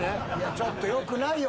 ちょっとよくないよ